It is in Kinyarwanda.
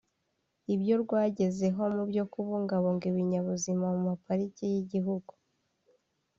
ibyo rwagezeho mubyo kubungabunga ibinyabuzima mu maparike y’igihugu